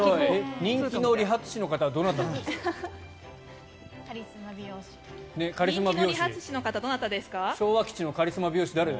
人気の美容師の方はどなたですか？